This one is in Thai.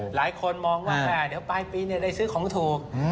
หลายคนมองว่าเดี๋ยวปลายปีได้ซื้อของถูก